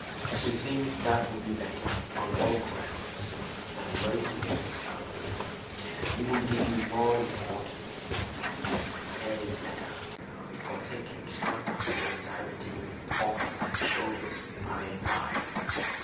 We think that'll be better, on all grounds, than raising your salary. It'll give you more importance, and prepare you better for taking some of the anxiety off my shoulders by and by.